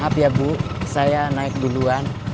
maaf ya bu saya naik duluan